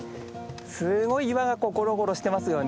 すごい岩がゴロゴロしてますよね。